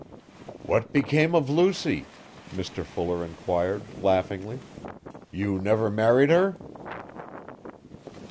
'What became of Lucy?' Mr Fuller enquired, laughingly. 'You never married her.'